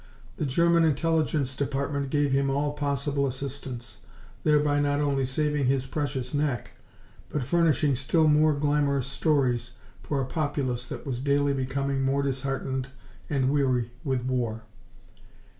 The German Intelligence Department gave him all possible assistance, thereby not only saving his precious neck but furnishing still more glamorous stories for a populace that was daily becoming more disheartened and weary with war.